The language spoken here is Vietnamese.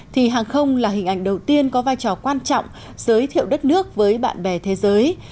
thì hàng không là hình ảnh đầu tiên có vai trò quan trọng giới thiệu đất nước với bạn bè thế giới